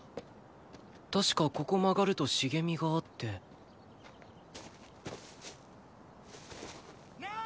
確かここ曲がると茂みがあってなあ！